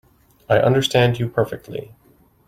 I understand you perfectly.